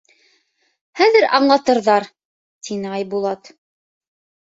Хәҙер аңлатырҙар! - тине Айбулат.